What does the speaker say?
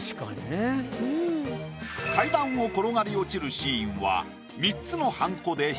階段を転がり落ちるシーンは。